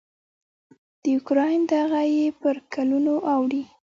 د اوکراین دغه یې پر کلونو اوړي.